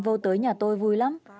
vô tới nhà tôi vui lắm